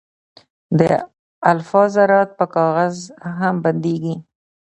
د الفا ذرات په کاغذ هم بندېږي.